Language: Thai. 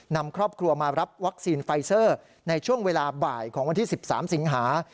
นำครอบครัวมารับวัคซีนไฟเซอร์ในช่วงเวลาบ่ายของวันที่๑๓สิงหา